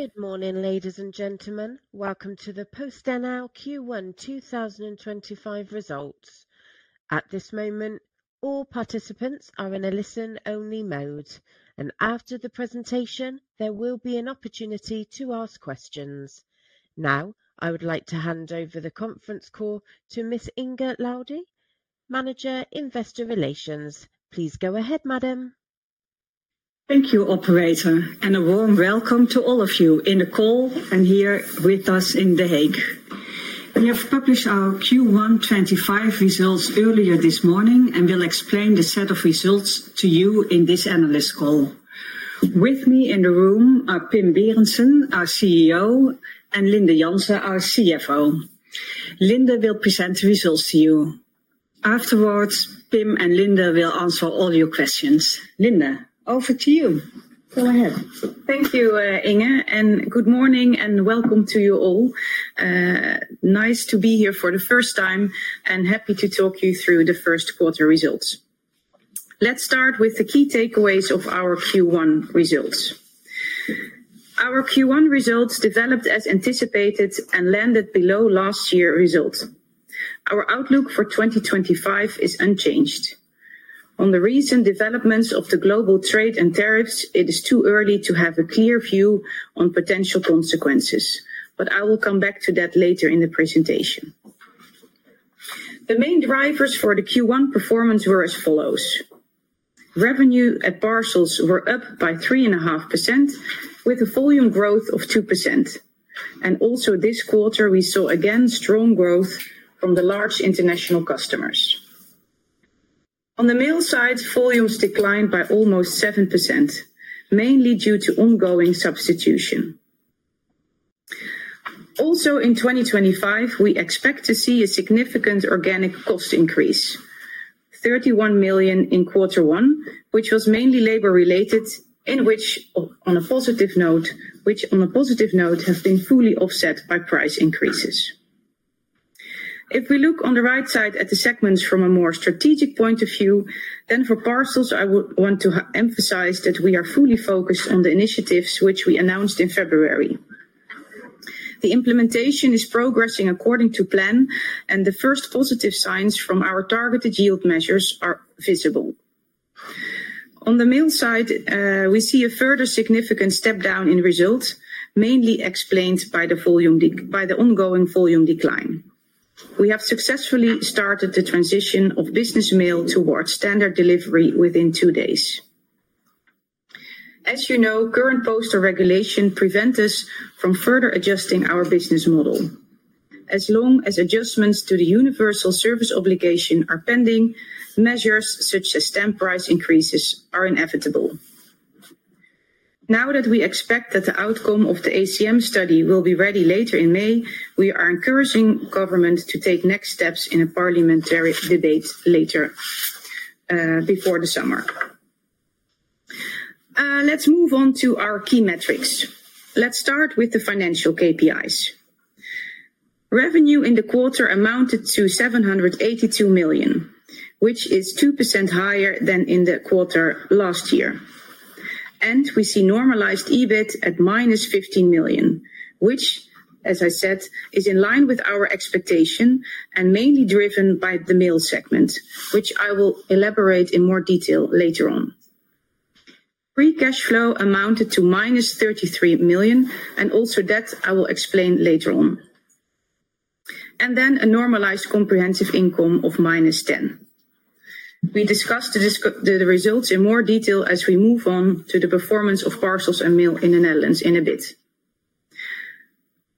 Good morning, ladies and gentlemen. Welcome to the PostNL Q1 2025 results. At this moment, all participants are in a listen-only mode, and after the presentation, there will be an opportunity to ask questions. Now, I would like to hand over the conference call to Ms. Inge Laudy, Manager, Investor Relations. Please go ahead, Madam. Thank you, Operator, and a warm welcome to all of you in the call and here with us in The Hague. We have published our Q1 2025 results earlier this morning, and we'll explain the set of results to you in this analyst call. With me in the room are Pim Berendsen, our CEO, and Linde Jansen, our CFO. Linde will present the results to you. Afterwards, Pim and Linde will answer all your questions. Linde, over to you. Go ahead. Thank you, Inge, and good morning and welcome to you all. Nice to be here for the first time and happy to talk you through the first quarter results. Let's start with the key takeaways of our Q1 results. Our Q1 results developed as anticipated and landed below last year's results. Our outlook for 2025 is unchanged. On the recent developments of the global trade and tariffs, it is too early to have a clear view on potential consequences, but I will come back to that later in the presentation. The main drivers for the Q1 performance were as follows: revenue at Parcels were up by 3.5%, with a volume growth of 2%. Also, this quarter, we saw again strong growth from the large international customers. On the Mail side, volumes declined by almost 7%, mainly due to ongoing substitution. Also, in 2025, we expect to see a significant organic cost increase: 31 million in quarter one, which was mainly labor-related, which, on a positive note, have been fully offset by price increases. If we look on the right side at the segments from a more strategic point of view, then for Parcels, I would want to emphasize that we are fully focused on the initiatives which we announced in February. The implementation is progressing according to plan, and the first positive signs from our targeted yield measures are visible. On the Mail side, we see a further significant step down in results, mainly explained by the ongoing volume decline. We have successfully started the transition of business mail towards standard delivery within two days. As you know, current postal regulation prevents us from further adjusting our business model. As long as adjustments to the Universal Service obligation are pending, measures such as stamp price increases are inevitable. Now that we expect that the outcome of the ACM study will be ready later in May, we are encouraging government to take next steps in a parliamentary debate later before the summer. Let's move on to our key metrics. Let's start with the financial KPIs. Revenue in the quarter amounted to 782 million, which is 2% higher than in the quarter last year. We see normalized EBIT at -15 million, which, as I said, is in line with our expectation and mainly driven by the Mail segment, which I will elaborate in more detail later on. Free cash flow amounted to -33 million, and also that I will explain later on. Then a normalized comprehensive income of -10 million. We discussed the results in more detail as we move on to the performance of Parcels and Mail in the Netherlands in a bit.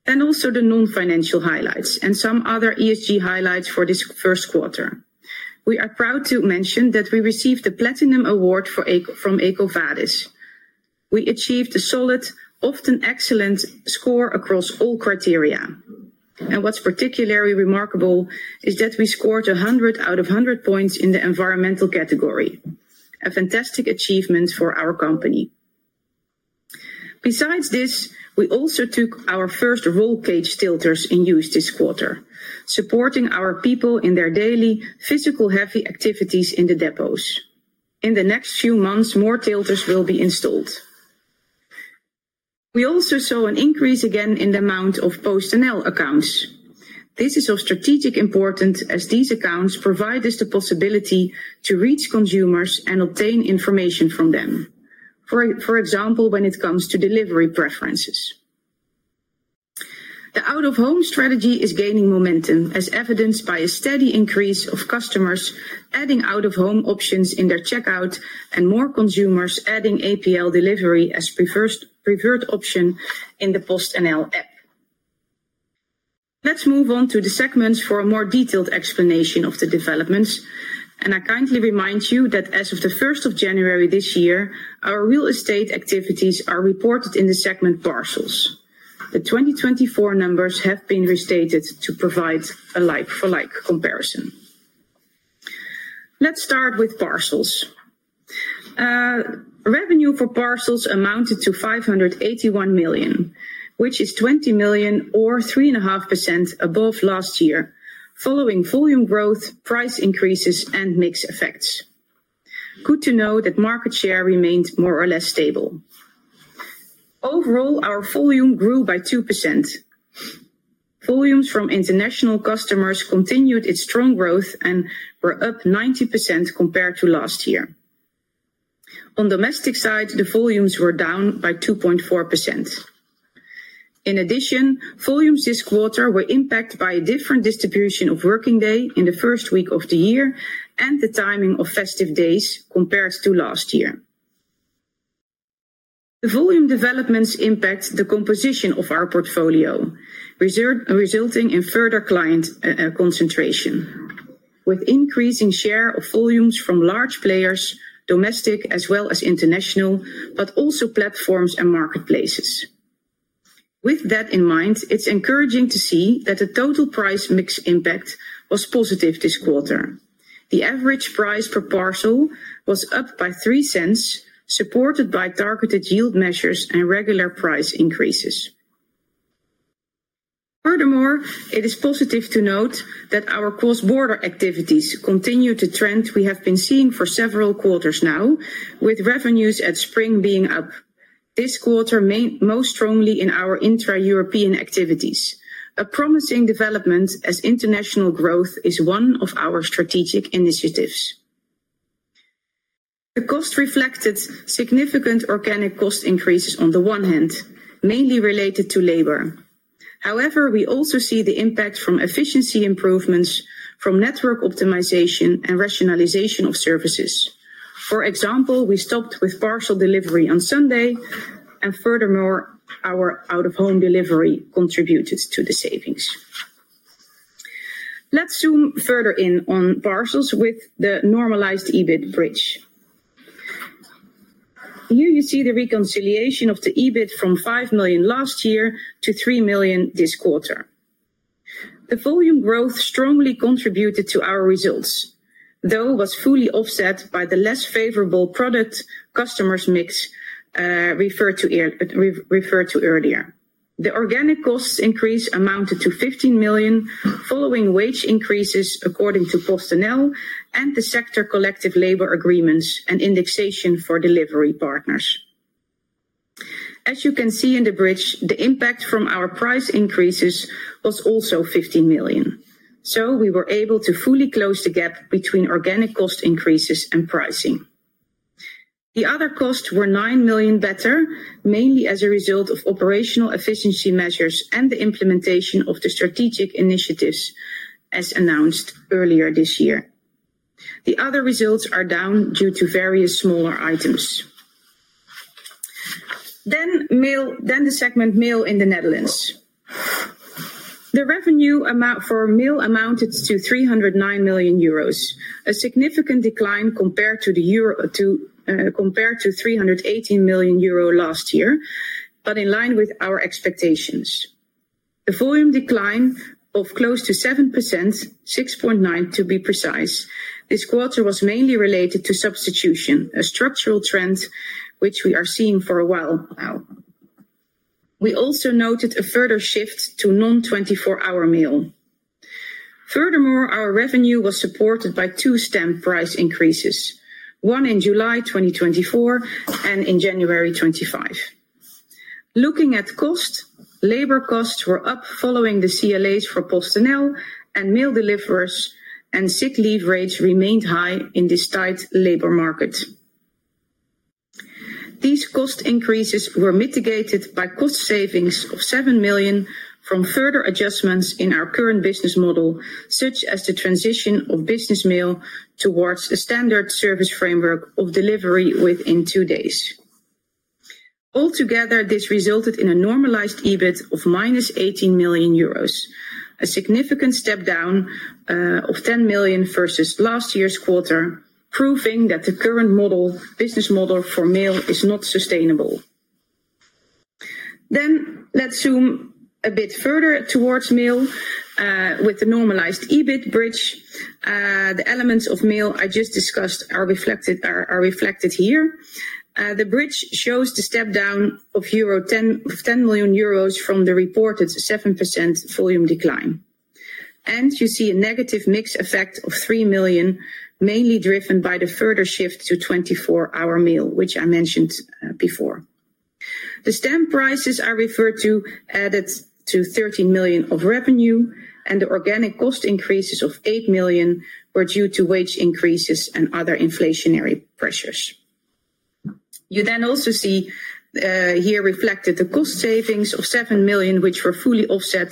Also, the non-financial highlights and some other ESG highlights for this first quarter. We are proud to mention that we received the Platinum Award from EcoVadis. We achieved a solid, often excellent score across all criteria. What is particularly remarkable is that we scored 100 out of 100 points in the environmental category, a fantastic achievement for our company. Besides this, we also took our first roll cage tilters in use this quarter, supporting our people in their daily physical heavy activities in the depots. In the next few months, more tilters will be installed. We also saw an increase again in the amount of PostNL accounts. This is of strategic importance as these accounts provide us the possibility to reach consumers and obtain information from them, for example, when it comes to delivery preferences. The out-of-home strategy is gaining momentum, as evidenced by a steady increase of customers adding out-of-home options in their checkout and more consumers adding APL delivery as preferred option in the PostNL app. Let's move on to the segments for a more detailed explanation of the developments. I kindly remind you that as of the 1st of January this year, our real estate activities are reported in the segment Parcels. The 2024 numbers have been restated to provide a like-for-like comparison. Let's start with Parcels. Revenue for Parcels amounted to 581 million, which is 20 million or 3.5% above last year, following volume growth, price increases, and mixed effects. Good to know that market share remained more or less stable. Overall, our volume grew by 2%. Volumes from international customers continued its strong growth and were up 19% compared to last year. On the domestic side, the volumes were down by 2.4%. In addition, volumes this quarter were impacted by a different distribution of working day in the first week of the year and the timing of festive days compared to last year. The volume developments impact the composition of our portfolio, resulting in further client concentration, with increasing share of volumes from large players, domestic as well as international, but also platforms and marketplaces. With that in mind, it's encouraging to see that the total price mix impact was positive this quarter. The average price per Parcel was up by 0.03, supported by targeted yield measures and regular price increases. Furthermore, it is positive to note that our cross-border activities continue to trend. We have been seeing for several quarters now, with revenues at Spring being up this quarter most strongly in our intra-European activities, a promising development as international growth is one of our strategic initiatives. The cost reflected significant organic cost increases on the one hand, mainly related to labor. However, we also see the impact from efficiency improvements, from network optimization and rationalization of services. For example, we stopped with Parcel delivery on Sunday, and furthermore, our out-of-home delivery contributed to the savings. Let's zoom further in on Parcels with the normalized EBIT bridge. Here you see the reconciliation of the EBIT from 5 million last year to 3 million this quarter. The volume growth strongly contributed to our results, though was fully offset by the less favorable product customers mix referred to earlier. The organic cost increase amounted to 15 million following wage increases according to PostNL and the sector collective labor agreements and indexation for delivery partners. As you can see in the bridge, the impact from our price increases was also 15 million. We were able to fully close the gap between organic cost increases and pricing. The other costs were 9 million better, mainly as a result of operational efficiency measures and the implementation of the strategic initiatives as announced earlier this year. The other results are down due to various smaller items. The segment Mail in the Netherlands. The revenue for Mail amounted to 309 million euros, a significant decline compared to 318 million euro last year, but in line with our expectations. The volume decline of close to 7%, 6.9% to be precise, this quarter was mainly related to substitution, a structural trend which we are seeing for a while now. We also noted a further shift to non-24-hour mail. Furthermore, our revenue was supported by two stamp price increases, one in July 2024 and in January 2025. Looking at cost, labor costs were up following the CLAs for PostNL and mail deliverers, and sick leave rates remained high in this tight labor market. These cost increases were mitigated by cost savings of 7 million from further adjustments in our current business model, such as the transition of business mail towards a standard service framework of delivery within two days. Altogether, this resulted in a normalized EBIT of -18 million euros, a significant step down of 10 million versus last year's quarter, proving that the current business model for Mail is not sustainable. Let's zoom a bit further towards Mail with the normalized EBIT bridge. The elements of Mail I just discussed are reflected here. The bridge shows the step down of 10 million euros from the reported 7% volume decline. You see a negative mix effect of 3 million, mainly driven by the further shift to 24-hour mail, which I mentioned before. The stamp prices are referred to added to 13 million of revenue, and the organic cost increases of 8 million were due to wage increases and other inflationary pressures. You then also see here reflected the cost savings of 7 million, which were fully offset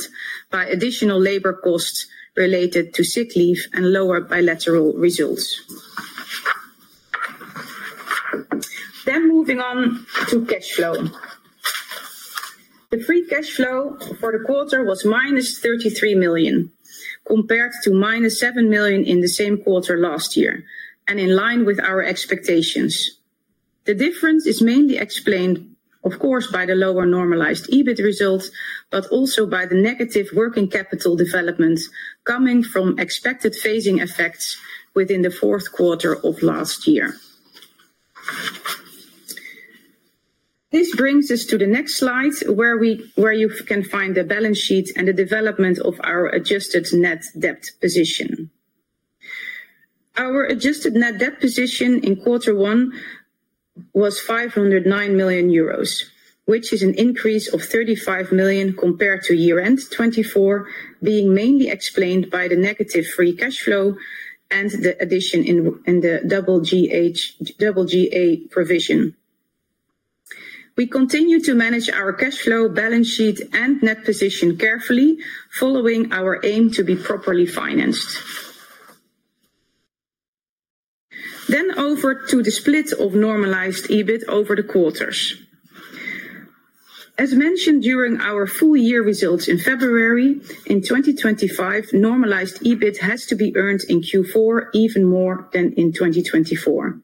by additional labor costs related to sick leave and lower bilateral results. Moving on to cash flow. The free cash flow for the quarter was -33 million compared to -7 million in the same quarter last year, and in line with our expectations. The difference is mainly explained, of course, by the lower normalized EBIT result, but also by the negative working capital development coming from expected phasing effects within the fourth quarter of last year. This brings us to the next slide where you can find the balance sheet and the development of our adjusted net debt position. Our adjusted net debt position in quarter one was 509 million euros, which is an increase of 35 million compared to year-end 2024, being mainly explained by the negative free cash flow and the addition in the WGA provision. We continue to manage our cash flow, balance sheet, and net position carefully, following our aim to be properly financed. Over to the split of normalized EBIT over the quarters. As mentioned during our full year results in February, in 2025, normalized EBIT has to be earned in Q4 even more than in 2024.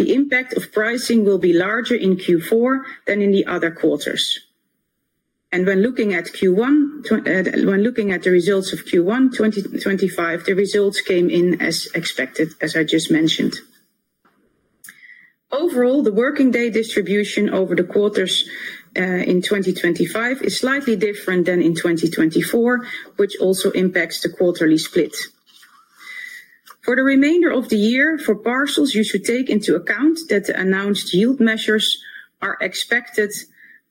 The impact of pricing will be larger in Q4 than in the other quarters. When looking at Q1, when looking at the results of Q1 2025, the results came in as expected, as I just mentioned. Overall, the working day distribution over the quarters in 2025 is slightly different than in 2024, which also impacts the quarterly split. For the remainder of the year, for Parcels, you should take into account that the announced yield measures are expected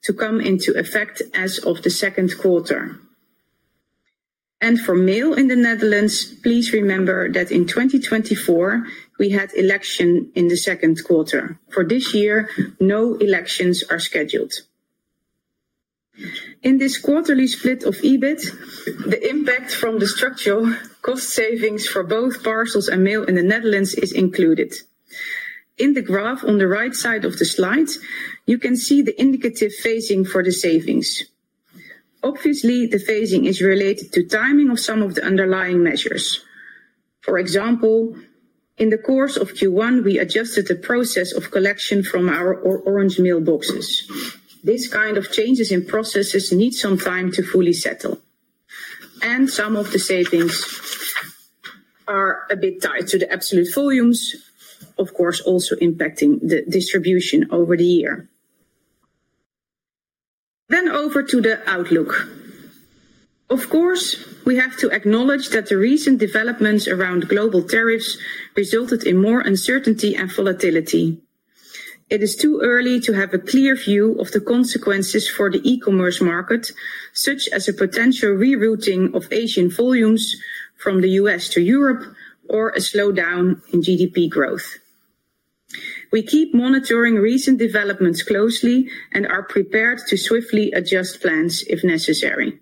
to come into effect as of the second quarter. For Mail in the Netherlands, please remember that in 2024, we had election in the second quarter. For this year, no elections are scheduled. In this quarterly split of EBIT, the impact from the structural cost savings for both Parcels and Mail in the Netherlands is included. In the graph on the right side of the slide, you can see the indicative phasing for the savings. Obviously, the phasing is related to timing of some of the underlying measures. For example, in the course of Q1, we adjusted the process of collection from our orange mailboxes. This kind of changes in processes need some time to fully settle. Some of the savings are a bit tied to the absolute volumes, of course, also impacting the distribution over the year. Over to the outlook. We have to acknowledge that the recent developments around global tariffs resulted in more uncertainty and volatility. It is too early to have a clear view of the consequences for the e-commerce market, such as a potential rerouting of Asian volumes from the U.S. to Europe or a slowdown in GDP growth. We keep monitoring recent developments closely and are prepared to swiftly adjust plans if necessary.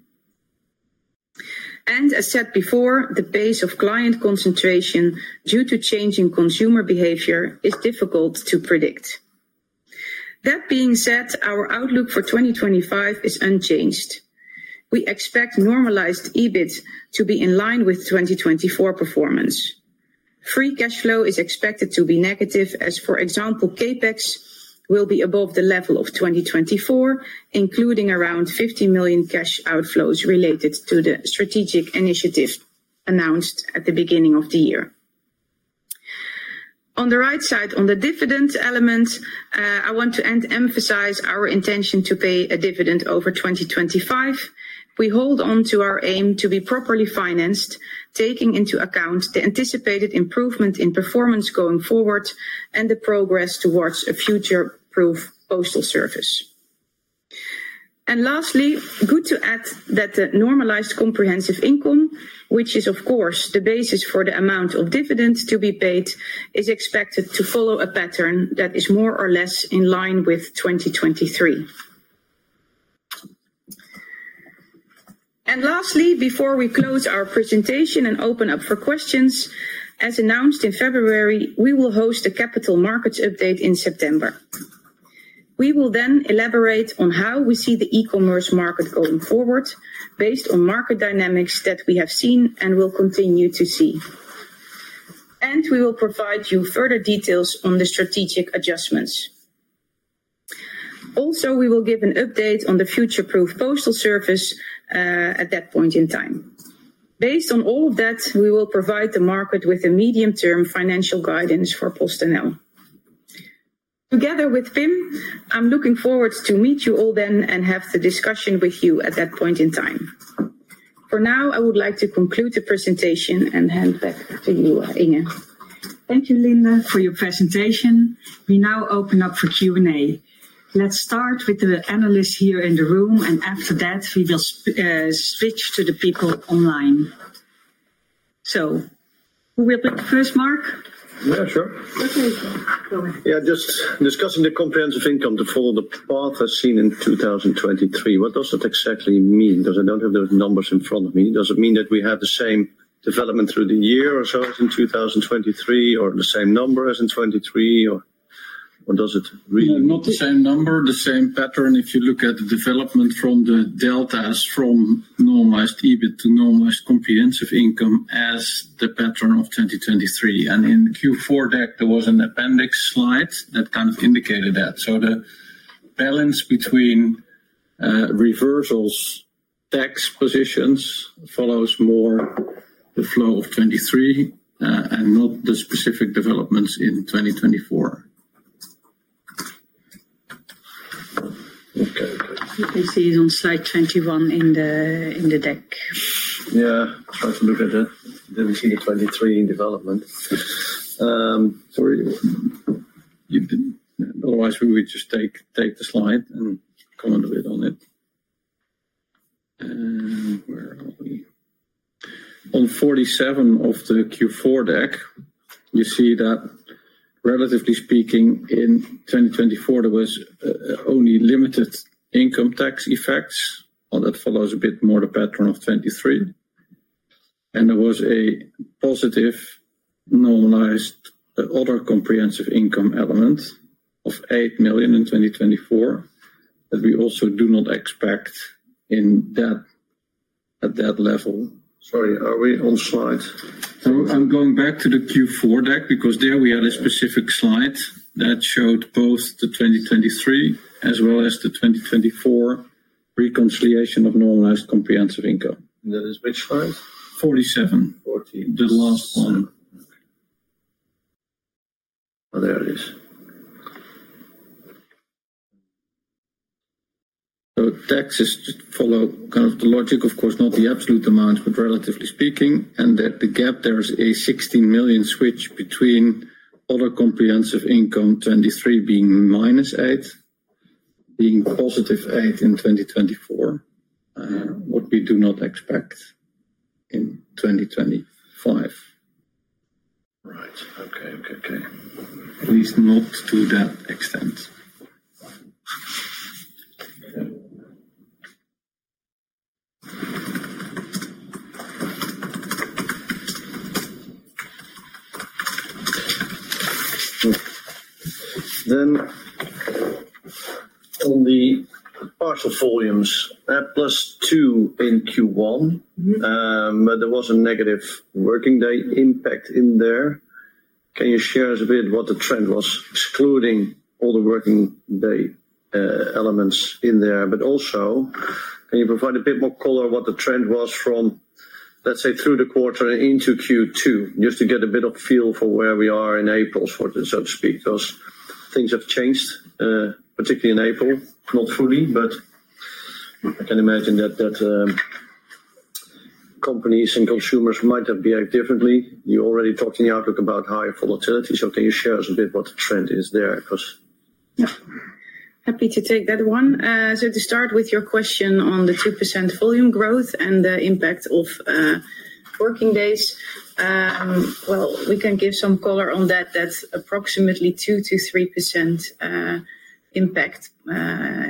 As said before, the pace of client concentration due to changing consumer behavior is difficult to predict. That being said, our outlook for 2025 is unchanged. We expect normalized EBIT to be in line with 2024 performance. Free cash flow is expected to be negative, as for example, CapEx will be above the level of 2024, including around 15 million cash outflows related to the strategic initiative announced at the beginning of the year. On the right side on the dividend element, I want to emphasize our intention to pay a dividend over 2025. We hold on to our aim to be properly financed, taking into account the anticipated improvement in performance going forward and the progress towards a future-proof postal service. Lastly, good to add that the normalized comprehensive income, which is of course the basis for the amount of dividends to be paid, is expected to follow a pattern that is more or less in line with 2023. Lastly, before we close our presentation and open up for questions, as announced in February, we will host a Capital Markets Update in September. We will then elaborate on how we see the e-commerce market going forward based on market dynamics that we have seen and will continue to see. We will provide you further details on the strategic adjustments. Also, we will give an update on the future-proof postal service at that point in time. Based on all of that, we will provide the market with a medium-term financial guidance for PostNL. Together with Pim, I'm looking forward to meet you all then and have the discussion with you at that point in time. For now, I would like to conclude the presentation and hand back to you, Inge. Thank you, Linde, for your presentation. We now open up for Q&A. Let's start with the analysts here in the room, and after that, we will switch to the people online. Who will be the first, Mark? Yeah, sure. Okay. Yeah, just discussing the comprehensive income to follow the path as seen in 2023. What does that exactly mean? Because I do not have those numbers in front of me. Does it mean that we have the same development through the year or so as in 2023, or the same number as in 2023, or does it really? Not the same number, the same pattern if you look at the development from the deltas from normalized EBIT to normalized comprehensive income as the pattern of 2023. In Q4 deck, there was an appendix slide that kind of indicated that. The balance between reversals, tax positions follows more the flow of 2023 and not the specific developments in 2024. You can see it on slide 21 in the deck. Yeah, try to look at that. Then we see the 2023 in development. Otherwise, we would just take the slide and comment a bit on it. Where are we? On 47 of the Q4 deck, you see that, relatively speaking, in 2024, there was only limited income tax effects, or that follows a bit more the pattern of 2023. There was a positive normalized other comprehensive income element of 8 million in 2024 that we also do not expect at that level. Sorry, are we on slides? I am going back to the Q4 deck because there we had a specific slide that showed both the 2023 as well as the 2024 reconciliation of normalized comprehensive income. That is which slide? 47. The last one. Oh, there it is. Taxes follow kind of the logic, of course, not the absolute amount, but relatively speaking, and the gap there is a 16 million switch between other comprehensive income 2023 being minus 8 million, being positive 8 million in 2024, which we do not expect in 2025. At least not to that extent. On the Parcels volumes, +2% in Q1, but there was a negative working day impact in there. Can you share a bit what the trend was excluding all the working day elements in there? But also, can you provide a bit more colour on what the trend was from, let’s say, through the quarter into Q2? Just to get a bit of a feel for where we are in April, so to speak because things have changed, particularly in April. Not fully, but I can imagine that companies and consumers might have behaved differently. You already talked in the outlook about higher volatility so can you share a bit what the trend is there? I am happy to take that one. So to start with your question on the 2% volume growth and the impact of working days, we can give some color on that. Approximately 2% to 3% impact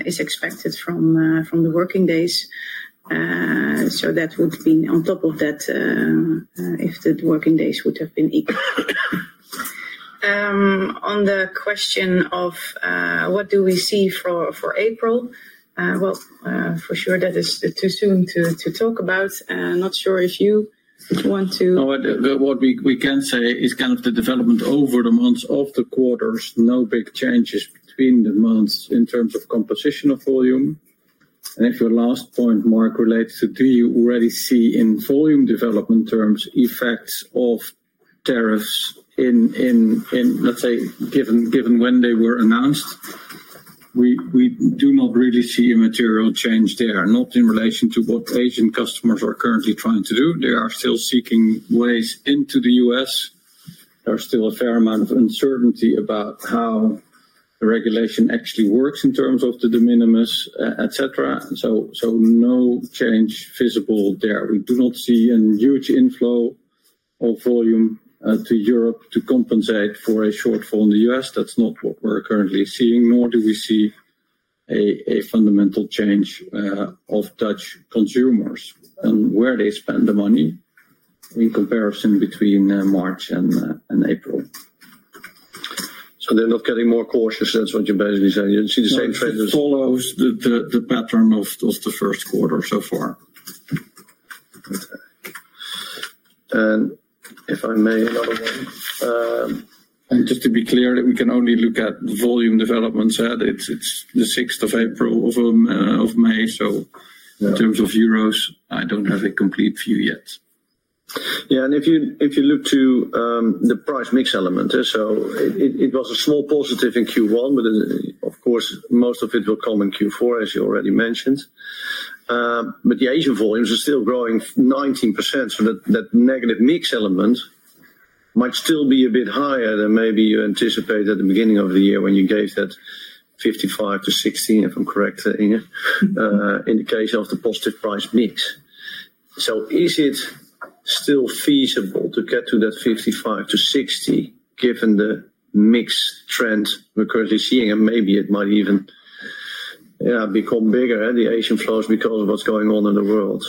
is expected from the working days. So that would be on top of that, if the working days had followed a similar pattern compared to last year. On the question of what we see for April, for sure, it is too soon to talk about. What we can say is, is that the development over the months of the quarter shows there are no big changes between the months in terms of composition of volume. And the last part more relates to whether we already see, in volume development terms, the effects of tariffs given when they were announced. We do not really see material change there, not in relation to what both Asian customers are currently trying to do. They are still seeking ways into the U.S. There is still a fair amount of uncertainty about how the regulation actually works, in terms of demand, etc. So, no change is visible there. We do not see a huge inflow of volume to Europe to compensate for a shortfall in the U.S. That is not what we are currently seeing, nor do we see a fundamental change of Dutch consumers and where they spend the money in comparison between March and April. They are not getting more cautious, that is what you are basically saying. You see the same trend. It follows the pattern of the first quarter so far. If I may, another one. Just to be clear, we can only look at the volume developments. It is the 6th of May, so in terms of EUR, I do not have a complete view yet. If you look to the price mix element, it was a small positive in Q1, but of course, most of it will come in Q4, as you already mentioned. The Asian volumes are still growing 19%, so that negative mix element might still be a bit higher than maybe you anticipated at the beginning of the year when you gave that 55 million-60 million, if I'm correct, in the case of the positive price mix. Is it still feasible to get to that 55 million-60 million given the mix trend we're currently seeing? It might even become bigger, the Asian flows, because of what's going on in the world.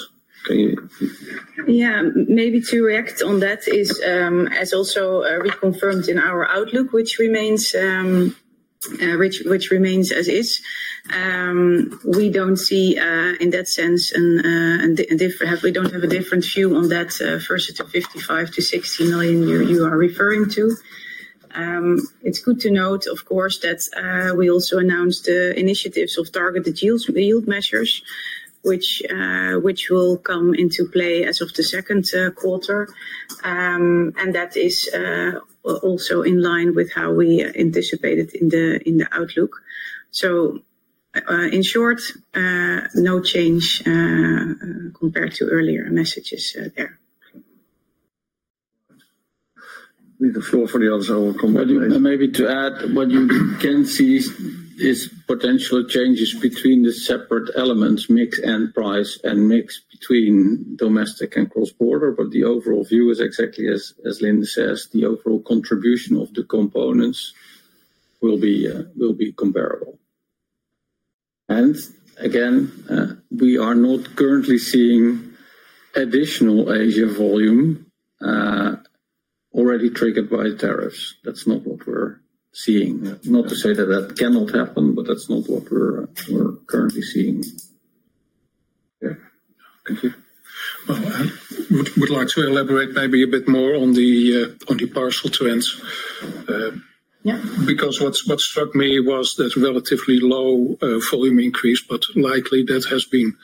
Maybe to react on that is, as also reconfirmed in our outlook, which remains as is, we do not see in that sense a different view on that versus the 55 million-60 million you are referring to. It is good to note, of course, that we also announced the initiatives of targeted yield measures, which will come into play as of the second quarter. That is also in line with how we anticipated in the outlook. In short, no change compared to earlier messages there. Maybe to add, what you can see is potential changes between the separate elements, mix and price and mix between domestic and cross-border, but the overall view is exactly as Linde says. The overall contribution of the components will be comparable. Again, we are not currently seeing additional Asian volume already triggered by tariffs. That is not what we are seeing. Not to say that that cannot happen, but that is not what we are currently seeing. Thank you. I would like to elaborate maybe a bit more on the parcel trends. Because what struck me was that relatively low volume increase, but likely that has been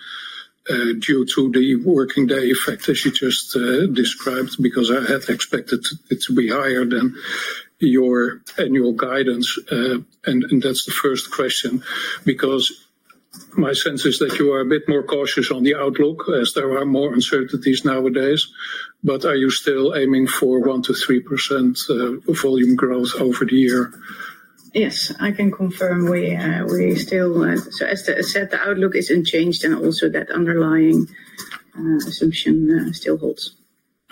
due to the working day effect as you just described, because I had expected it to be higher than your annual guidance. That is the first question, because my sense is that you are a bit more cautious on the outlook as there are more uncertainties nowadays, but are you still aiming for 1-3% volume growth over the year? Yes, I can confirm we still, so as I said, the outlook is unchanged and also that underlying assumption still holds.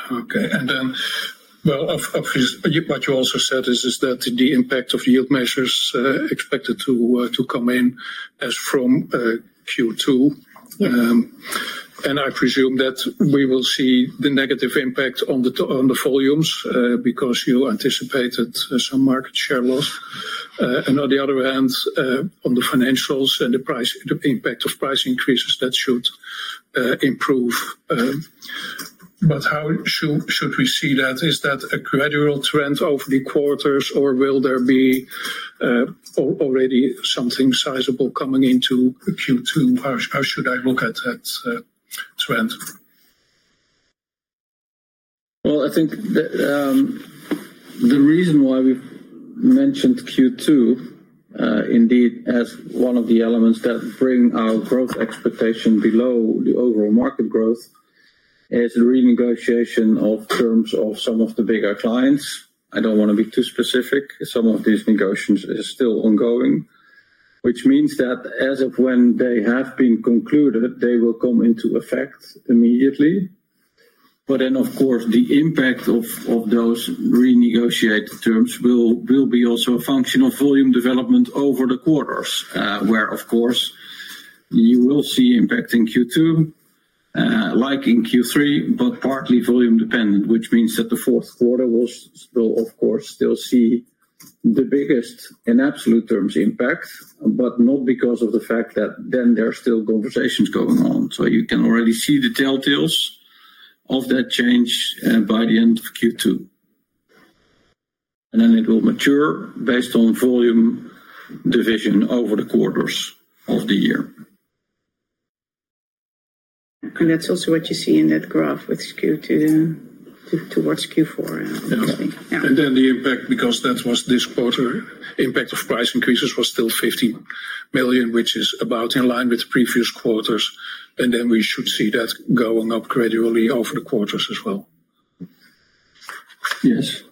Okay. What you also said is that the impact of yield measures is expected to come in as from Q2. I presume that we will see the negative impact on the volumes because you anticipated some market share loss. On the other hand, on the financials and the impact of price increases, that should improve. How should we see that? Is that a gradual trend over the quarters, or will there be already something sizable coming into Q2? How should I look at that trend? I think the reason why we mentioned Q2 indeed as one of the elements that bring our growth expectation below the overall market growth is the renegotiation of terms of some of the bigger clients. I do not want to be too specific. Some of these negotiations are still ongoing, which means that as of when they have been concluded, they will come into effect immediately. Of course, the impact of those renegotiated terms will also be a function of volume development over the quarters, where you will see impact in Q2, like in Q3, but partly volume dependent, which means that the fourth quarter will still see the biggest in absolute terms impact, but not because of the fact that then there are still conversations going on. You can already see the telltales of that change by the end of Q2. It will mature based on volume division over the quarters of the year. That is also what you see in that graph with Q2 towards Q4. Yeah. The impact, because that was this quarter, impact of price increases was still 15 million, which is about in line with previous quarters. We should see that going up gradually over the quarters as well. Yes.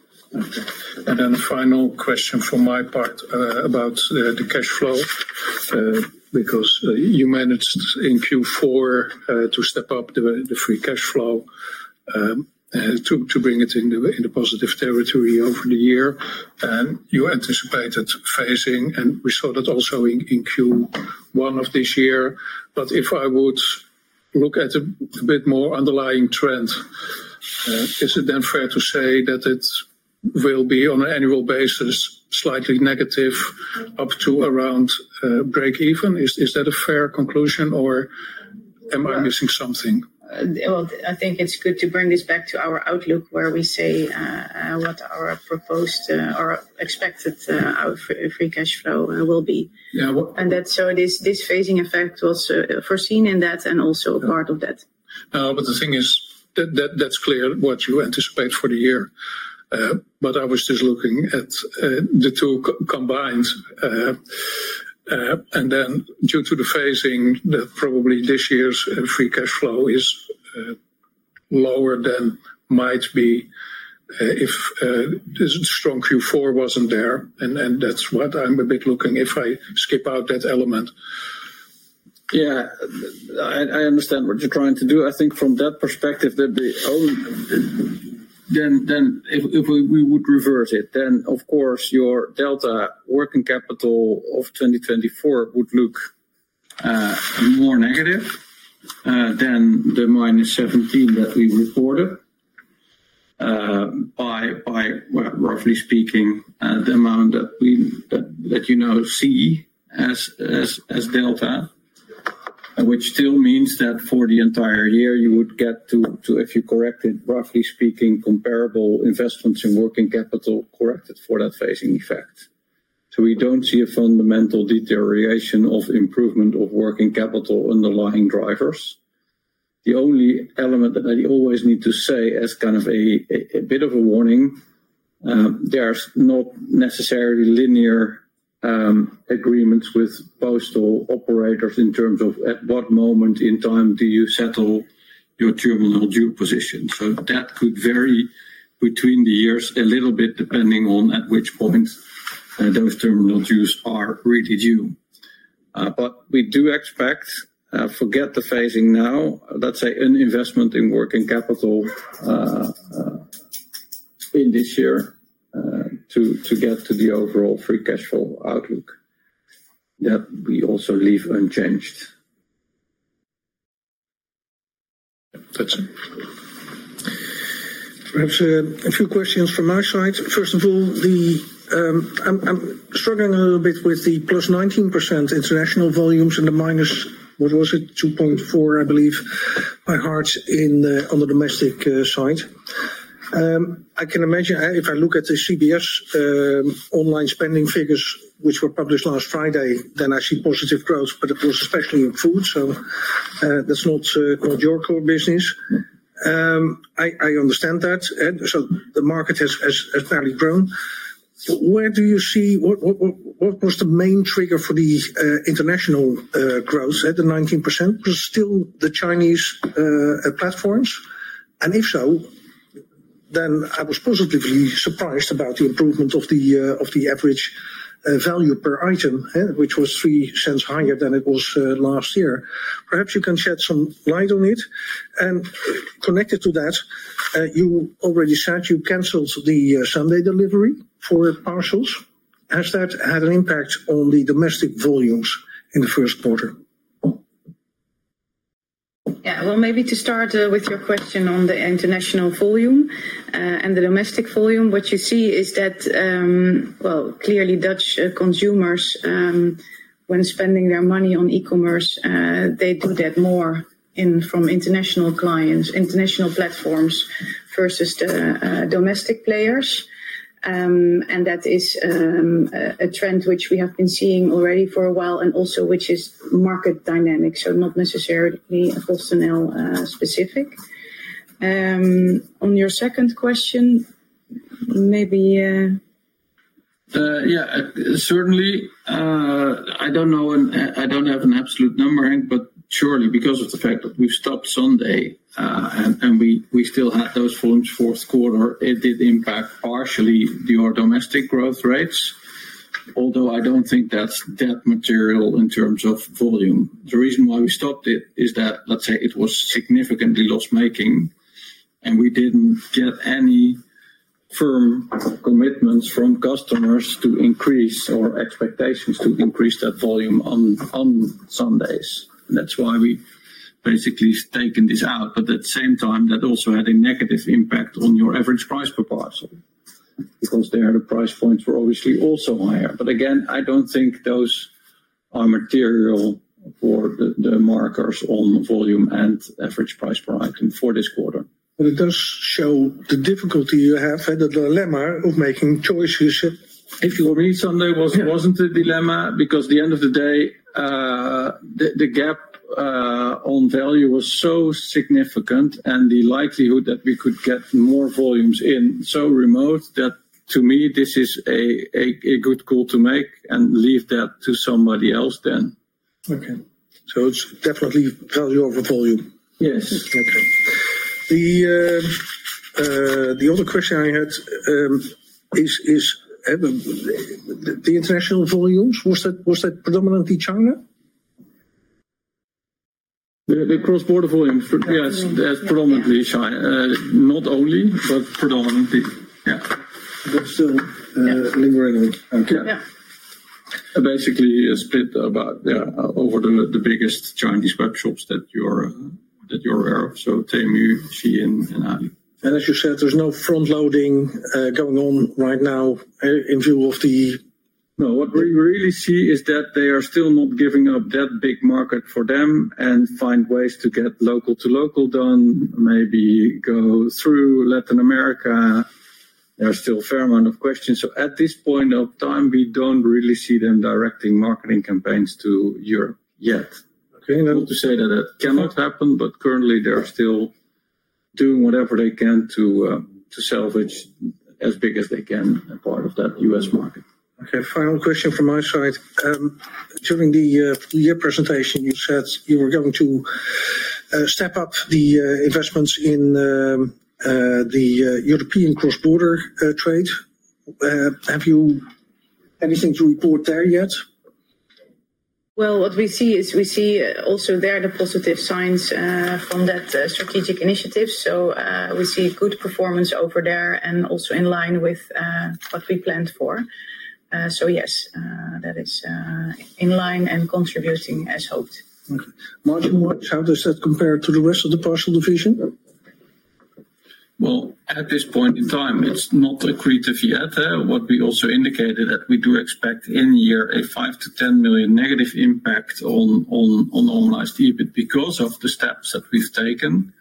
Final question from my part about the cash flow, because you managed in Q4 to step up the free cash flow to bring it into positive territory over the year. You anticipated phasing, and we saw that also in Q1 of this year. If I would look at a bit more underlying trend, is it then fair to say that it will be on an annual basis slightly negative up to around break-even? Is that a fair conclusion, or am I missing something? I think it is good to bring this back to our outlook, where we say what our proposed or expected free cash flow will be. This phasing effect was foreseen in that and also a part of that. The thing is that that's clear what you anticipate for the year. I was just looking at the two combined. Due to the phasing, probably this year's free cash flow is lower than it might be if the strong Q4 was not there. That is what I'm a bit looking at if I skip out that element. Yeah, I understand what you're trying to do. I think from that perspective, if we would revert it, of course, your delta working capital of 2024 would look more negative than the -17 that we reported by roughly speaking the amount that you now see as delta, which still means that for the entire year, you would get to, if you correct it, roughly speaking, comparable investments in working capital corrected for that phasing effect. We do not see a fundamental deterioration or improvement of working capital underlying drivers. The only element that I always need to say as kind of a bit of a warning, there are not necessarily linear agreements with postal operators in terms of at what moment in time you settle your terminal due position. That could vary between the years a little bit depending on at which point those terminal dues are really due. We do expect, forget the phasing now, let us say an investment in working capital in this year to get to the overall free cash flow outlook that we also leave unchanged. Perhaps a few questions from my side. First of all, I am struggling a little bit with the +19% international volumes and the minus, what was it, 2.4%, I believe, by heart on the domestic side. I can imagine if I look at the CBS online spending figures, which were published last Friday, then I see positive growth, but it was especially in food. That is not your core business. I understand that. The market has fairly grown. Where do you see what was the main trigger for the international growth at the 19%? Was it still the Chinese platforms? If so, I was positively surprised about the improvement of the average value per item, which was 0.03 higher than it was last year. Perhaps you can shed some light on it. Connected to that, you already said you canceled the Sunday delivery for parcels. Has that had an impact on the domestic volumes in the first quarter? Yeah. Maybe to start with your question on the international volume and the domestic volume, what you see is that, clearly, Dutch consumers, when spending their money on e-commerce, do that more from international clients, international platforms versus the domestic players. That is a trend which we have been seeing already for a while and also which is market dynamic, so not necessarily PostNL specific. On your second question, maybe. Yeah, certainly. I do not know. I do not have an absolute number, but surely because of the fact that we have stopped Sunday and we still had those volumes fourth quarter, it did impact partially your domestic growth rates, although I do not think that is that material in terms of volume. The reason why we stopped it is that, let's say, it was significantly loss-making and we did not get any firm commitments from customers to increase or expectations to increase that volume on Sundays. That is why we basically taken this out. At the same time, that also had a negative impact on your average price per parcel, because there the price points were obviously also higher. Again, I do not think those are material for the markers on volume and average price per item for this quarter. It does show the difficulty you have, the dilemma of making choices. If you were meeting Sunday, was not the dilemma? Because at the end of the day, the gap on value was so significant and the likelihood that we could get more volumes in so remote that to me, this is a good call to make and leave that to somebody else then. Okay. So it is definitely value over volume. Yes. Okay. The other question I had is the international volumes, was that predominantly China? The cross-border volumes, yes, that is predominantly China. Not only, but predominantly. Yeah. Basically split over the biggest Chinese webshops that you are aware of, so Temu, Shein, and AliExpress. And as you said, there is no front-loading going on right now in view of the -- No, what we really see is that they are still not giving up that big market for them and find ways to get local to local done, maybe go through Latin America. There are still a fair amount of questions. At this point of time, we do not really see them directing marketing campaigns to Europe yet. Okay. I want to say that that cannot happen, but currently they are still doing whatever they can to salvage as big as they can a part of that U.S. market. Okay. Final question from my side. During the year presentation, you said you were going to step up the investments in the European cross-border trade. Have you anything to report there yet? What we see is we see also there the positive signs from that strategic initiative. We see good performance over there and also in line with what we planned for. Yes, that is in line and contributing as hoped. Margin, how does that compare to the rest of the Parcels division? At this point in time, it is not accretive yet. What we also indicated is that we do expect in-year a 5 million-10 million negative impact on online steep because of the steps that we've taken.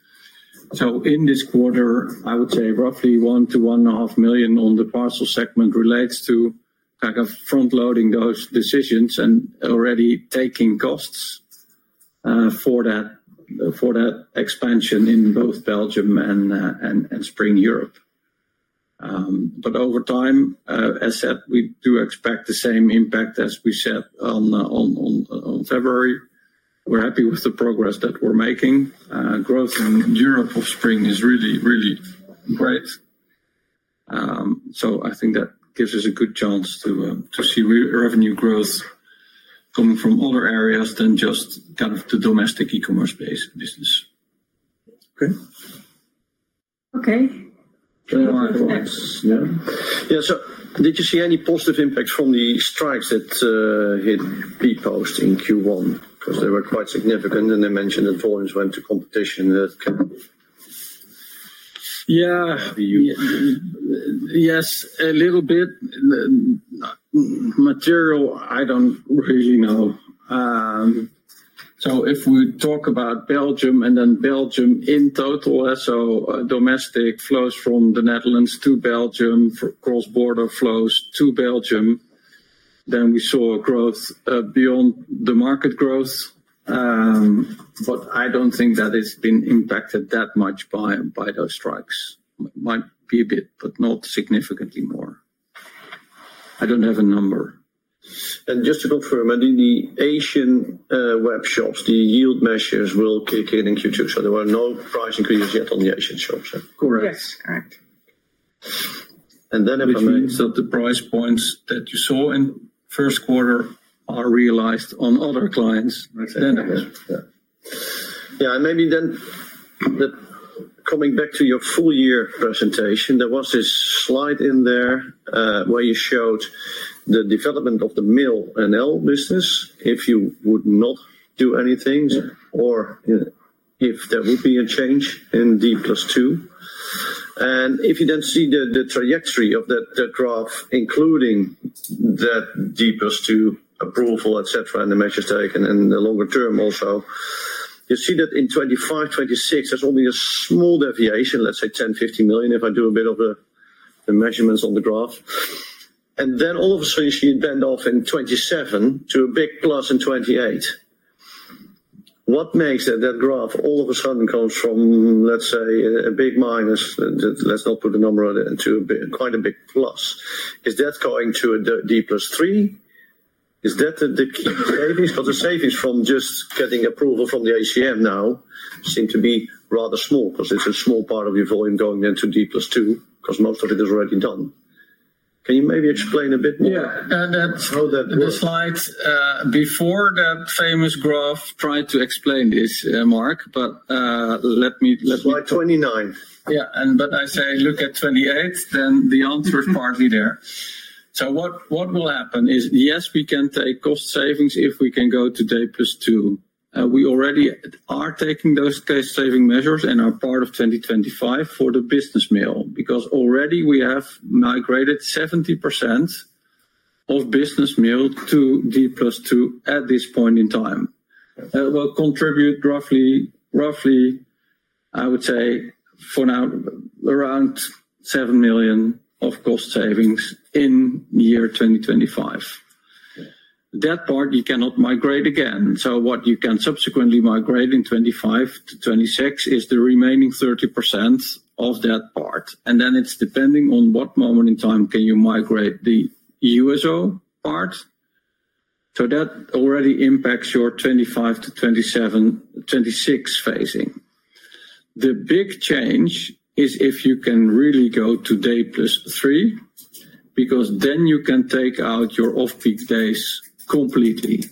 In this quarter, I would say roughly 1 million-1.5 million on the Parcels segment relates to kind of front-loading those decisions and already taking costs for that expansion in both Belgium and Spring Europe. Over time, as said, we do expect the same impact as we said in February. We're happy with the progress that we're making. Growth in Europe or Spring is really, really great. I think that gives us a good chance to see revenue growth coming from other areas than just kind of the domestic e-commerce base business. Okay. Okay. Did you see any positive impacts from the strikes that hit Bpost in Q1? Because they were quite significant and they mentioned that volumes went to competition. Yeah. Yes, a little bit. Material, I don't really know. If we talk about Belgium and then Belgium in total, so domestic flows from the Netherlands to Belgium, cross-border flows to Belgium, then we saw growth beyond the market growth. I don't think that has been impacted that much by those strikes. Might be a bit, but not significantly more. I don't have a number. Just to confirm, I mean, the Asian webshops, the yield measures will kick in in Q2. There were no price increases yet on the Asian shops. Correct. Yes. Correct. It means that the price points that you saw in first quarter are realized on other clients. Yeah. Maybe then coming back to your full year presentation, there was this slide in there where you showed the development of the Mail and Parcels business if you would not do anything or if there would be a change in D+2? If you then see the trajectory of that graph, including that D+2 approval, etc., and the measures taken in the longer term also, you see that in 2025, 2026, there is only a small deviation, let's say 10 million-15 million, if I do a bit of the measurements on the graph. All of a sudden, you see it bend off in 2027 to a big plus in 2028. What makes that graph all of a sudden come from, let's say, a big minus, let's not put a number on it, to quite a big plus? Is that going to a D+3? Is that the savings? Because the savings from just getting approval from the ACM now seem to be rather small because it's a small part of your volume going into D+2 because most of it is already done? Can you maybe explain a bit more? Yeah. That slide before that famous graph tried to explain this, Mark, but let me. It's slide 29. Yeah. I say look at 28, then the answer is partly there. What will happen is, yes, we can take cost savings if we can go to D+2. We already are taking those case saving measures and are part of 2025 for the business mail because already we have migrated 70% of business mail to D+2 at this point in time. It will contribute roughly, roughly, I would say for now, around 7 million of cost savings in year 2025. That part you cannot migrate again. What you can subsequently migrate in 2025 to 2026 is the remaining 30% of that part. It is depending on what moment in time you can migrate the USO part. That already impacts your 2025 to 2026 phasing. The big change is if you can really go to D+3 because then you can take out your off-peak days completely.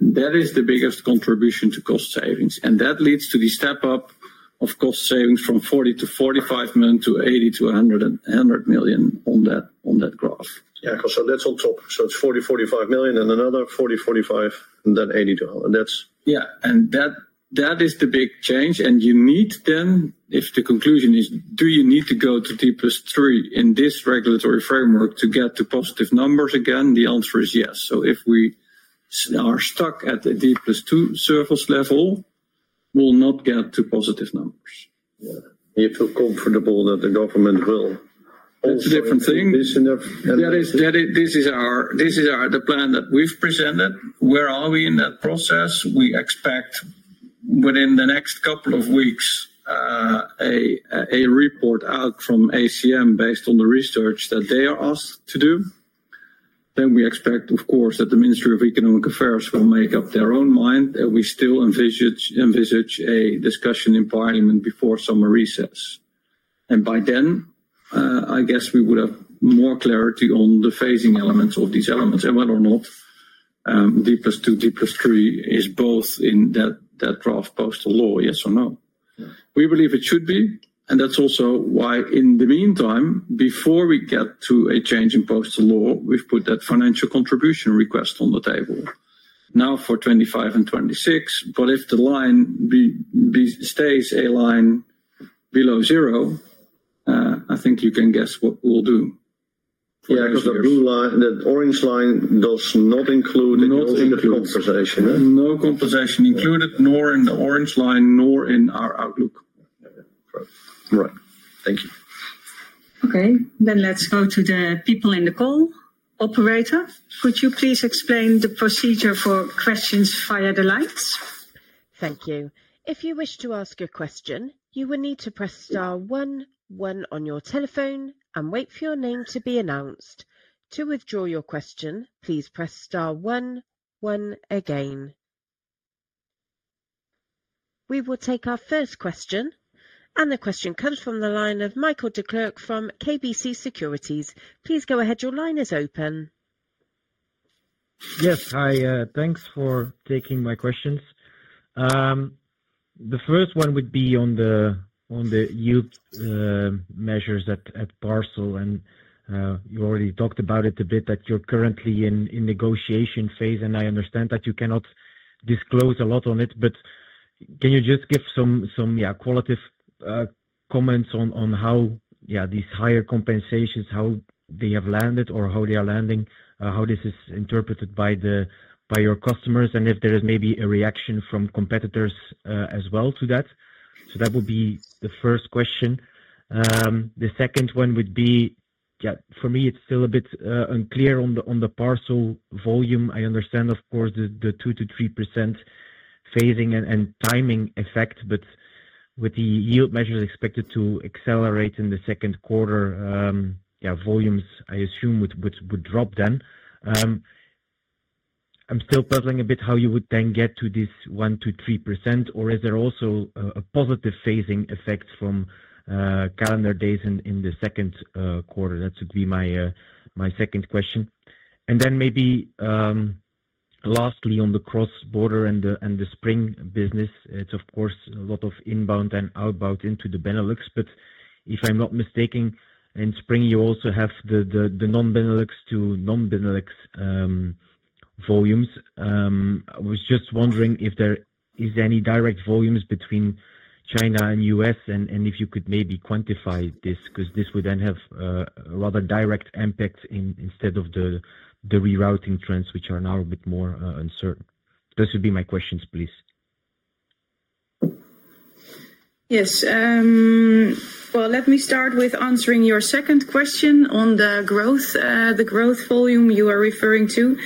That is the biggest contribution to cost savings. That leads to the step-up of cost savings from 40 million-45 million to 80 million-100 million on that graph. Yeah. That is on top. It is 40 million-45 million, and another 40 million-45 million, and then 80 million-100 million. That is the big change. You need then, if the conclusion is, do you need to go to D+3 in this regulatory framework to get to positive numbers again? The answer is yes. If we are stuck at the D+2 service level, we'll not get to positive numbers. Do you feel comfortable that the government will? It's a different thing. This is our plan that we've presented. Where are we in that process? We expect within the next couple of weeks a report out from ACM based on the research that they are asked to do. We expect, of course, that the Ministry of Economic Affairs will make up their own mind. We still envisage a discussion in Parliament before summer recess. By then, I guess we would have more clarity on the phasing elements of these elements and whether or not D+2, D+3 is both in that draft postal law, yes or no? We believe it should be. That is also why in the meantime, before we get to a change in postal law, we have put that financial contribution request on the table. Now for 2025 and 2026, but if the line stays a line below zero, I think you can guess what we will do. Yeah. Because the blue line, the orange line does not include the compensation. No compensation included, nor in the orange line, nor in our outlook. Right. Thank you. Okay. Let us go to the people in the call. Operator, could you please explain the procedure for questions via the lines? Thank you. If you wish to ask a question, you will need to press star one, one on your telephone and wait for your name to be announced. To withdraw your question, please press star one, one again. We will take our first question. The question comes from the line of Michiel Declercq from KBC Securities. Please go ahead. Your line is open. Yes. Thanks for taking my questions. The first one would be on the yield measures at Parcel. You already talked about it a bit that you're currently in negotiation phase. I understand that you cannot disclose a lot on it. Can you just give some qualitative comments on how these higher compensations, how they have landed or how they are landing, how this is interpreted by your customers, and if there is maybe a reaction from competitors as well to that? That would be the first question. The second one would be, yeah, for me, it's still a bit unclear on the Parcel volume. I understand, of course, the 2%-3% phasing and timing effect, but with the yield measures expected to accelerate in the second quarter, yeah, volumes, I assume, would drop then. I'm still puzzling a bit how you would then get to this 1%-3%, or is there also a positive phasing effect from calendar days in the second quarter? That would be my second question. Maybe lastly, on the cross-border and the Spring business, it's, of course, a lot of inbound and outbound into the Benelux. If I'm not mistaken, in Spring, you also have the non-Benelux to non-Benelux volumes. I was just wondering if there is any direct volumes between China and the U.S., and if you could maybe quantify this because this would then have a rather direct impact instead of the rerouting trends, which are now a bit more uncertain. Those would be my questions, please. Yes. Let me start with answering your second question on the growth, the growth volume you are referring to.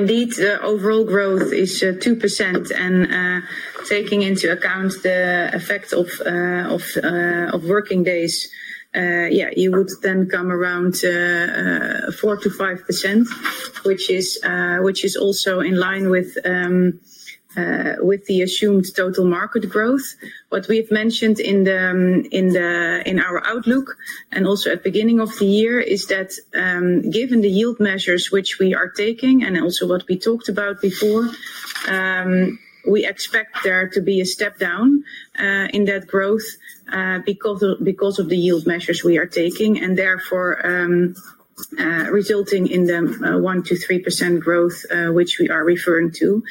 Indeed, the overall growth is 2%. Taking into account the effect of working days, you would then come around 4-5%, which is also in line with the assumed total market growth. What we have mentioned in our outlook and also at the beginning of the year is that given the yield measures which we are taking and also what we talked about before, we expect there to be a step down in that growth because of the yield measures we are taking and therefore resulting in the 1%-3% growth which we are referring to.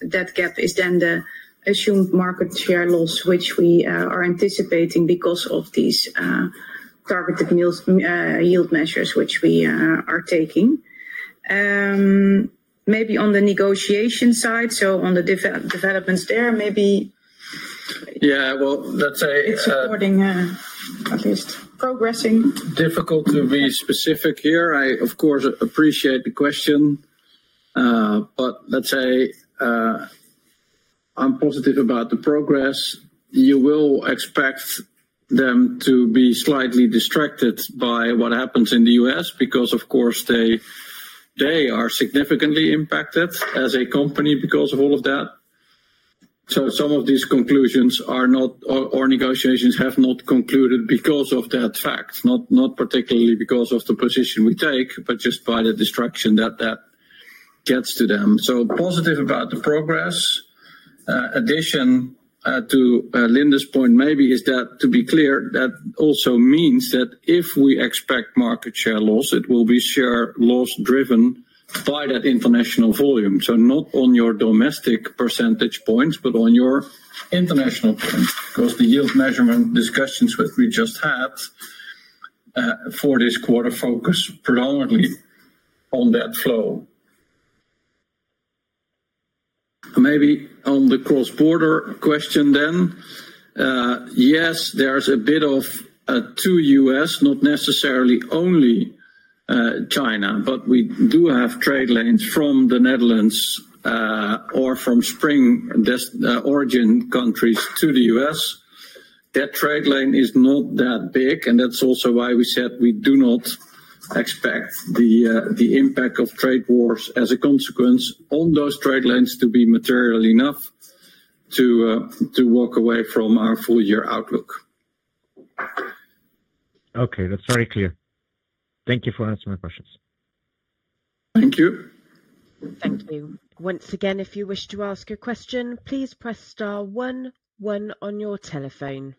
That gap is then the assumed market share loss which we are anticipating because of these targeted yield measures which we are taking. Maybe on the negotiation side, on the developments there, maybe. Yeah. Let's say it is at least progressing. Difficult to be specific here. I, of course, appreciate the question. Let's say I am positive about the progress. You will expect them to be slightly distracted by what happens in the U.S. because, of course, they are significantly impacted as a company because of all of that. Some of these conclusions are not or negotiations have not concluded because of that fact, not particularly because of the position we take, but just by the distraction that gets to them. Positive about the progress. Addition to Linde's point maybe is that to be clear, that also means that if we expect market share loss, it will be share loss driven by that international volume. Not on your domestic percentage points, but on your international points because the yield measurement discussions that we just had for this quarter focus predominantly on that flow. Maybe on the cross-border question then, yes, there's a bit of to U.S., not necessarily only China, but we do have trade lanes from the Netherlands or from Spring-origin countries to the U.S. That trade lane is not that big. That's also why we said we do not expect the impact of trade wars as a consequence on those trade lanes to be material enough to walk away from our full year outlook. Okay. That's very clear. Thank you for answering my questions. Thank you. Thank you. Once again, if you wish to ask a question, please press star one, one on your telephone.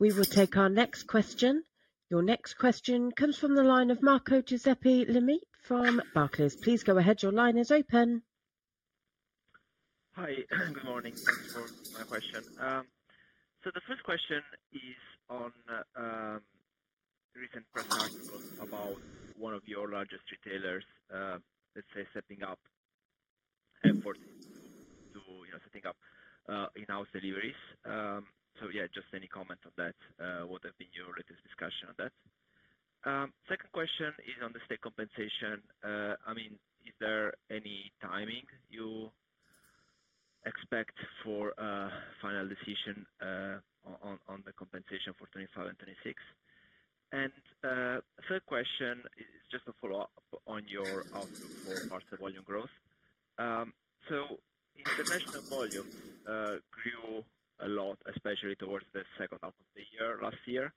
We will take our next question. Your next question comes from the line of Marco Limite from Barclays. Please go ahead. Your line is open. Hi. Good morning. Thank you for my question. The first question is on recent press articles about one of your largest retailers, let's say, stepping up efforts to setting up in-house deliveries. Just any comment on that, what have been your latest discussion on that? Second question is on the state compensation. I mean, is there any timing you expect for final decision on the compensation for 2025 and 2026? Third question is just a follow-up on your outlook for Parcels volume growth. International volume grew a lot, especially towards the second half of the year last year.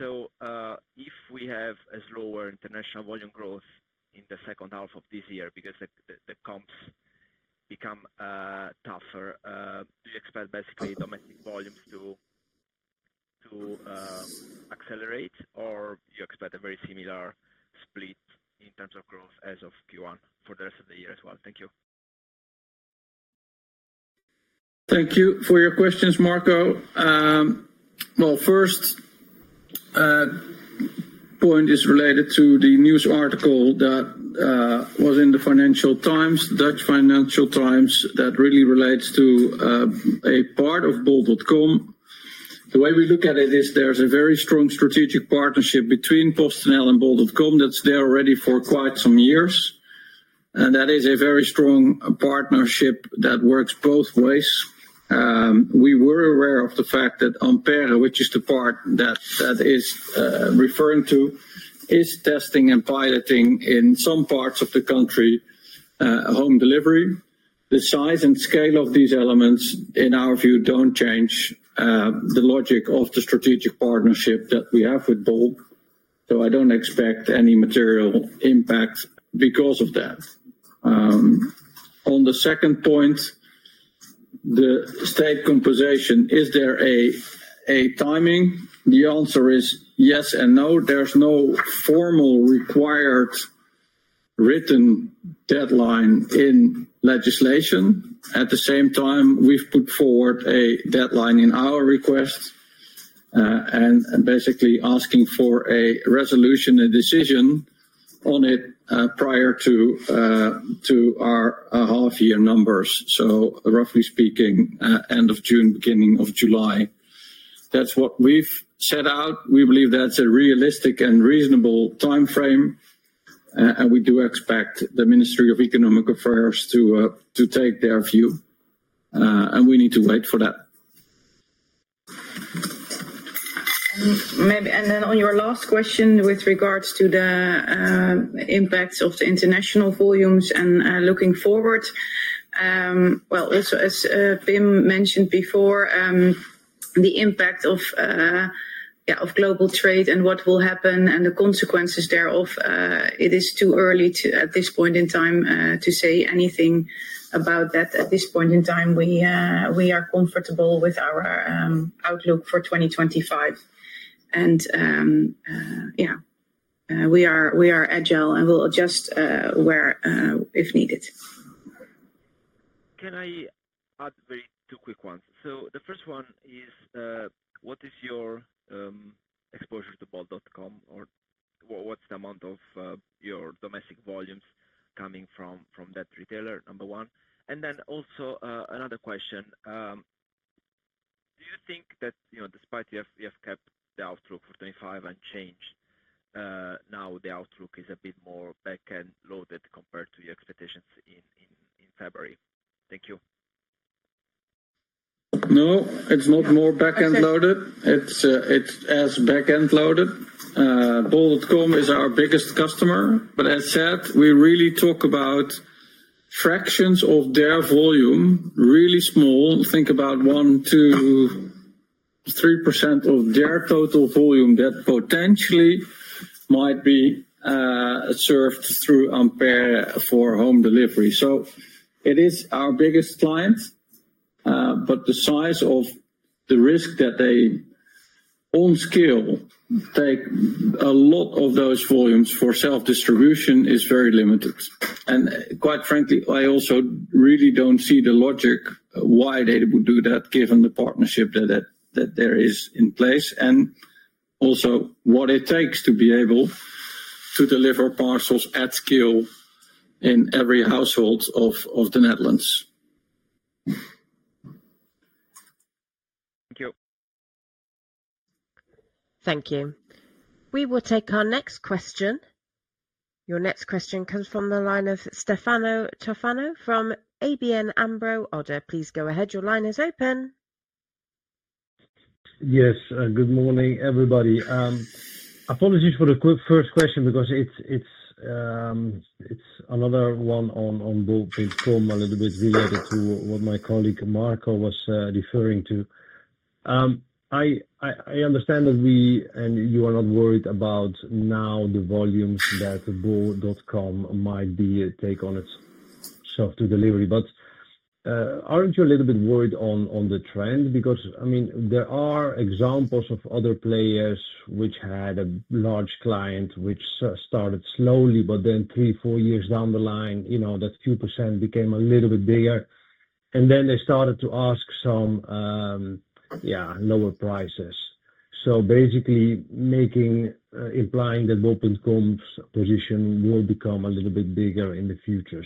If we have a slower international volume growth in the second half of this year because the comps become tougher, do you expect basically domestic volumes to accelerate, or do you expect a very similar split in terms of growth as of Q1 for the rest of the year as well? Thank you. Thank you for your questions, Marco. First point is related to the news article that was in the Financial Times, Dutch Financial Times, that really relates to a part of Bol.com. The way we look at it is there's a very strong strategic partnership between PostNL and Bol.com that's there already for quite some years. That is a very strong partnership that works both ways. We were aware of the fact that Ampère, which is the part that is referring to, is testing and piloting in some parts of the country home delivery. The size and scale of these elements, in our view, do not change the logic of the strategic partnership that we have with Bol. I do not expect any material impact because of that. On the second point, the state composition, is there a timing? The answer is yes and no. There's no formal required written deadline in legislation. At the same time, we've put forward a deadline in our request and basically asking for a resolution and decision on it prior to our half-year numbers. So roughly speaking, end of June, beginning of July. That's what we've set out. We believe that's a realistic and reasonable time frame. We do expect the Ministry of Economic Affairs to take their view. We need to wait for that. On your last question with regards to the impacts of the international volumes and looking forward, as Pim mentioned before, the impact of global trade and what will happen and the consequences thereof, it is too early at this point in time to say anything about that. At this point in time, we are comfortable with our outlook for 2025. Yeah, we are agile and we'll adjust where needed. Can I add two quick ones? The first one is, what is your exposure to Bol.com, or what's the amount of your domestic volumes coming from that retailer, number one? Also, another question. Do you think that despite you have kept the outlook for 2025 and change, now the outlook is a bit more back-end loaded compared to your expectations in February? Thank you. No, it's not more back-end loaded. It's as back-end loaded. Bol.com is our biggest customer. But as said, we really talk about fractions of their volume, really small. Think about 1%, 2%, 3% of their total volume that potentially might be served through Ampère for home delivery. It is our biggest client, but the size of the risk that they on scale take a lot of those volumes for self-distribution is very limited. Quite frankly, I also really do not see the logic why they would do that given the partnership that there is in place and also what it takes to be able to deliver parcels at scale in every household of the Netherlands. Thank you. Thank you. We will take our next question. Your next question comes from the line of Stefano Toffano from ABN AMRO ODDO. Please go ahead. Your line is open. Yes. Good morning, everybody. Apologies for the quick first question because it is another one on Bol.com a little bit related to what my colleague Marco was referring to. I understand that you are not worried about now the volumes that Bol.com might take on its self-to-delivery. Aren't you a little bit worried on the trend? I mean, there are examples of other players which had a large client which started slowly, but then three, four years down the line, that 2% became a little bit bigger. Then they started to ask some, yeah, lower prices. Basically implying that Bol.com's position will become a little bit bigger in the future.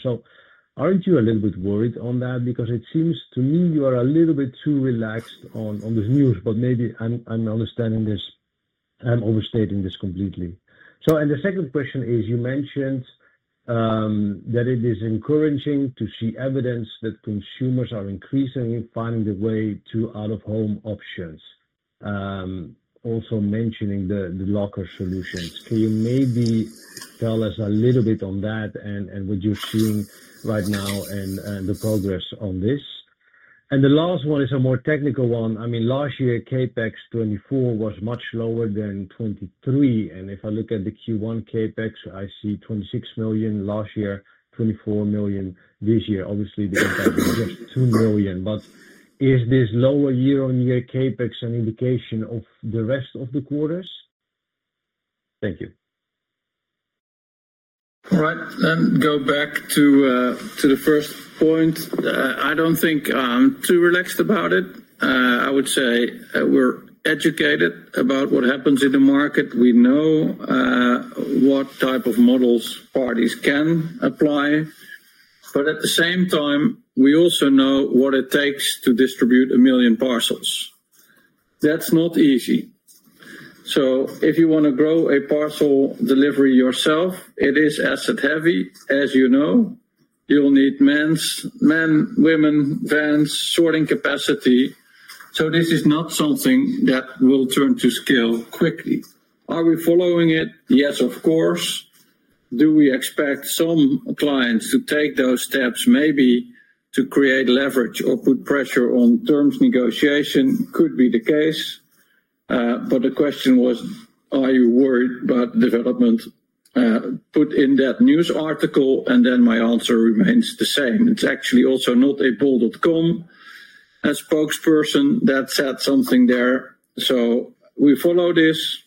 Aren't you a little bit worried on that? It seems to me you are a little bit too relaxed on this news, but maybe I'm understanding this. I'm overstating this completely. The second question is you mentioned that it is encouraging to see evidence that consumers are increasingly finding the way to out-of-home options, also mentioning the locker solutions. Can you maybe tell us a little bit on that and what you're seeing right now and the progress on this? The last one is a more technical one. I mean, last year, CapEx 2024 was much lower than 2023. If I look at the Q1 CapEx, I see 26 million last year, 24 million this year. Obviously, the impact is just 2 million. Is this lower year-on-year CapEx an indication of the rest of the quarters? Thank you. All right. Go back to the first point. I do not think I am too relaxed about it. I would say we are educated about what happens in the market. We know what type of models parties can apply. At the same time, we also know what it takes to distribute a million parcels. That is not easy. If you want to grow a parcel delivery yourself, it is asset-heavy, as you know. You'll need men, women, vans, sorting capacity. This is not something that will turn to scale quickly. Are we following it? Yes, of course. Do we expect some clients to take those steps maybe to create leverage or put pressure on terms negotiation? Could be the case. The question was, are you worried about development put in that news article, and then my answer remains the same. It's actually also not a Bol.com spokesperson that said something there. We follow this.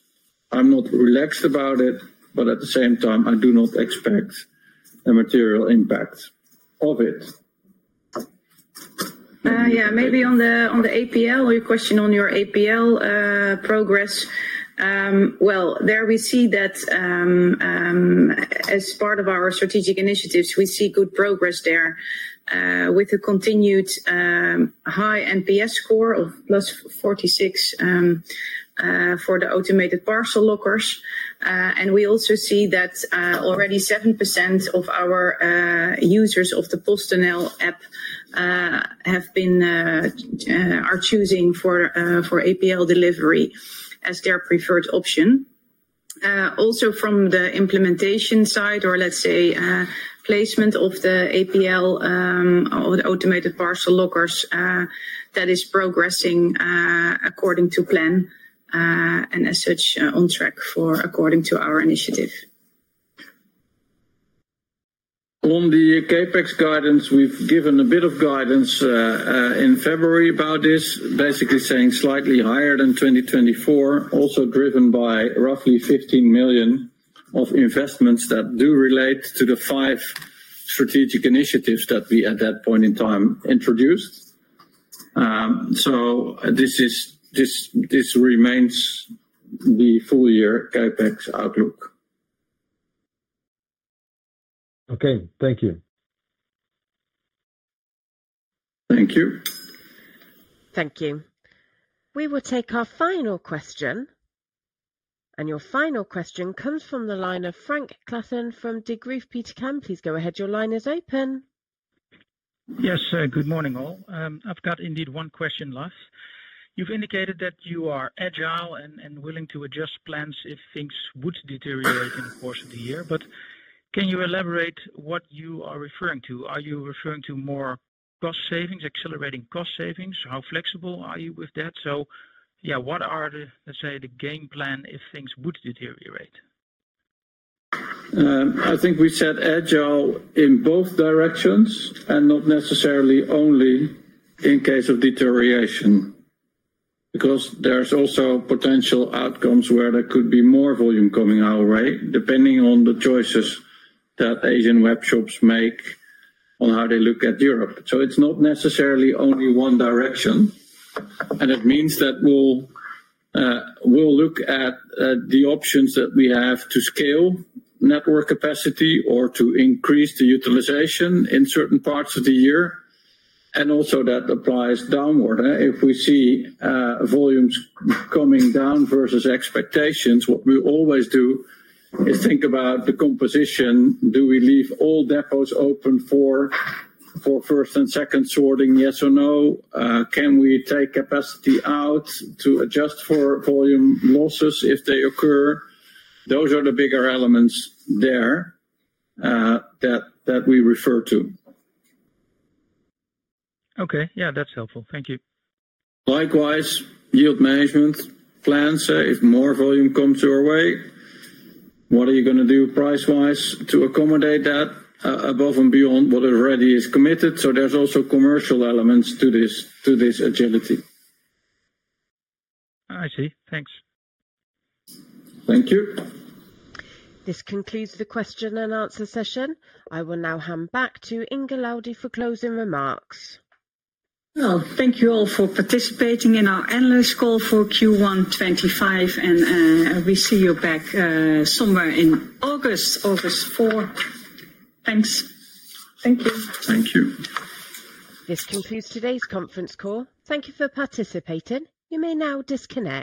I'm not relaxed about it, but at the same time, I do not expect a material impact of it. Yeah. Maybe on the APL, or your question on your APL progress, there we see that as part of our strategic initiatives, we see good progress there with a continued high NPS score of +46 for the automated parcel lockers. We also see that already 7% of our users of the PostNL app are choosing APL delivery as their preferred option. Also from the implementation side or let's say placement of the APL or the automated parcel lockers, that is progressing according to plan and as such on track according to our initiative. On the CapEx guidance, we've given a bit of guidance in February about this, basically saying slightly higher than 2024, also driven by roughly 15 million of investments that do relate to the five strategic initiatives that we at that point in time introduced. This remains the full year CapEx outlook. Okay. Thank you. Thank you. We will take our final question. Your final question comes from the line of Frank Claassen from Degroof Petercam. Please go ahead. Your line is open. Yes. Good morning, all. I've got indeed one question last. You've indicated that you are agile and willing to adjust plans if things would deteriorate in the course of the year. Can you elaborate what you are referring to? Are you referring to more cost savings, accelerating cost savings? How flexible are you with that? What are the, let's say, the game plan if things would deteriorate? I think we said agile in both directions and not necessarily only in case of deterioration because there's also potential outcomes where there could be more volume coming our way depending on the choices that Asian web shops make on how they look at Europe. It is not necessarily only one direction. It means that we'll look at the options that we have to scale network capacity or to increase the utilization in certain parts of the year. Also, that applies downward. If we see volumes coming down versus expectations, what we always do is think about the composition. Do we leave all depots open for first and second sorting, yes or no? Can we take capacity out to adjust for volume losses if they occur? Those are the bigger elements there that we refer to. Okay. Yeah, that's helpful. Thank you. Likewise, yield management plans if more volume comes your way. What are you going to do price-wise to accommodate that above and beyond what already is committed? There are also commercial elements to this agility. I see. Thanks. Thank you. This concludes the question-and-answer session. I will now hand back to Inge Laudy for closing remarks. Thank you all for participating in our analyst call for Q1 2025. We see you back somewhere in August, August 4. Thanks. Thank you. Thank you. This concludes today's conference call. Thank you for participating. You may now disconnect.